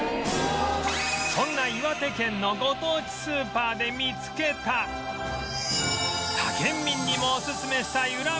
そんな岩手県のご当地スーパーで見つけた他県民にもおすすめしたいこちら